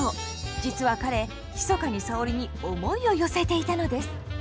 実は彼ひそかに沙織に思いを寄せていたのです。